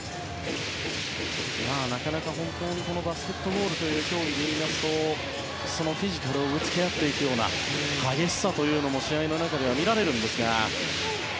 なかなか本当にバスケットボールという競技はフィジカルをぶつけ合っていくような激しさというものも試合の中では見られます。